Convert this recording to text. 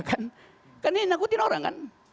karena dia menakutkan orang